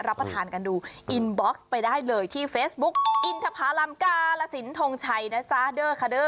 รับประทานกันดูอินบ็อกซ์ไปได้เลยที่เฟซบุ๊กอินทภารัมกาลสินทงชัยนะจ๊ะเด้อคาเด้อ